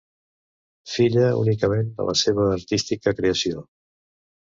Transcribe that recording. Filla únicament de la seva artística creació.